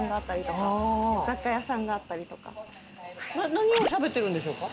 何をしゃべってるんでしょうか？